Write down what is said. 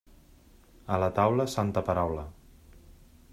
A la taula, santa paraula.